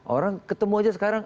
orang ketemu aja sekarang